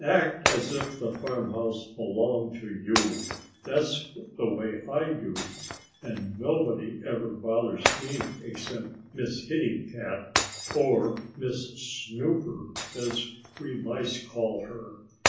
Act as if the farmhouse belonged to you. That's the way I do. And nobody ever bothers me, except Miss Kitty Cat or Miss Snooper, as we Mice call her.